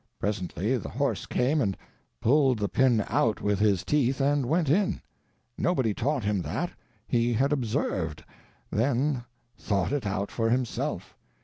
Presently the horse came and pulled the pin out with his teeth and went in. Nobody taught him that; he had observed—then thought it out for himself.